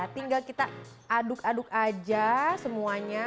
tinggal kita aduk aduk aja semuanya